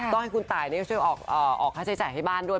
ต้องให้คุณตายช่วยออกค่าใช้จ่ายให้บ้านด้วย